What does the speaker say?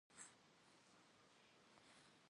Si nexem şış'aş.